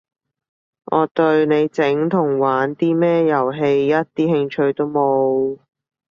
我對你整同玩啲咩遊戲一啲興趣都冇